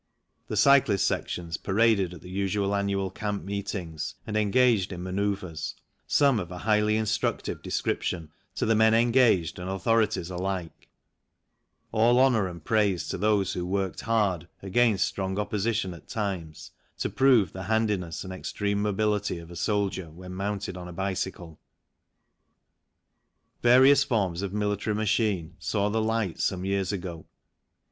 The cyclist sections paraded at the usual annual camp meetings and engaged in manoeuvres, some of a highly instructive description to the men engaged and authorities alike ; all honour and praise to those who worked hard, against strong opposition at times, to prove the handiness and extreme mobility of a soldier when mounted on a bicycle. Various forms of military machine saw the light some years ago.